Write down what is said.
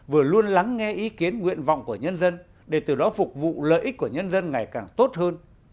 vừa luôn lắng nghe ý kiến nguyện vọng của nhân dân để từ đó phục vụ lợi ích của nhân dân ngày càng tốt hơn